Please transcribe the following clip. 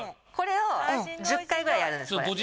これを１０回ぐらいやるんですこれ。